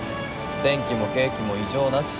天気も計器も異常なし。